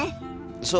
そう。